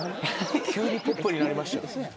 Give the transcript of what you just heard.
急にポップになりましたよ。